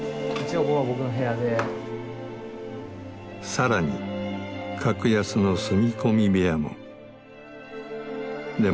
更に格安の住み込み部屋も。